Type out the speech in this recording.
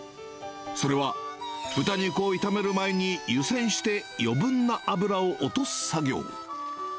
それは豚肉を炒める前に湯せんして余分な脂を落とす作業。